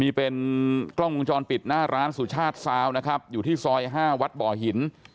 นี่เป็นกล้องวงจรปิดหน้าร้านสุชาติซาวนะครับอยู่ที่ซอย๕วัดบ่อหิน